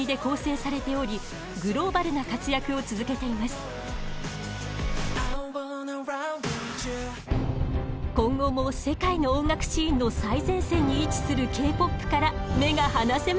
今後も世界の音楽シーンの最前線に位置するＫ−ＰＯＰから目が離せません。